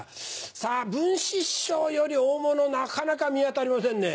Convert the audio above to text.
さぁ文枝師匠より大物なかなか見当たりませんね。